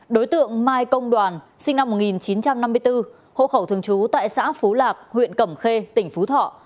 đối tượng mai công đoàn sinh năm một nghìn chín trăm năm mươi bốn hộ khẩu thường trú tại xã phú lạc huyện cẩm khê tỉnh phú thọ